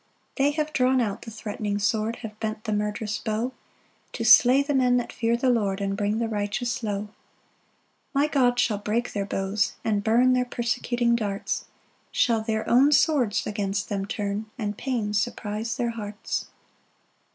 9 They have drawn out the threatening sword, Have bent the murderous bow, To slay the men that fear the Lord, And bring the righteous low. 10 My God shall break their bows, and burn Their persecuting darts, Shall their own swords against them turn, And pain surprise their hearts.